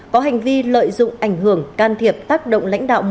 có hành vi lợi dụng ảnh hưởng can thiệp tác động lãnh đạo